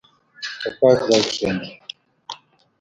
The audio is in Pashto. په پاک ځای کښېنه.